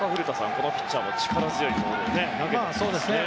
このピッチャーも力強いボールを投げてきますね。